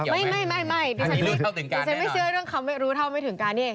ไม่ดิฉันไม่เชื่อเรื่องคำไม่รู้เท่าไม่ถึงการนี่เอง